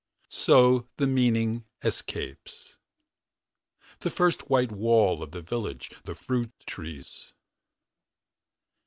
So the meaning escapes. The first white wall of the village ... The fruit trees